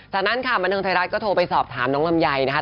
จากนั้นค่ะบันเทิงไทยรัฐก็โทรไปสอบถามน้องลำไยนะคะ